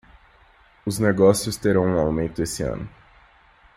Os negócios terão um aumento esse ano.